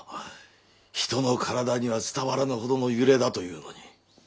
人の体には伝わらぬほどの揺れだというのに。